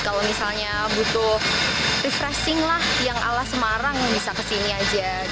kalau misalnya butuh refreshing lah yang ala semarang bisa kesini aja